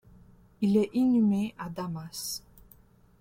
Il est inhumé à Damas.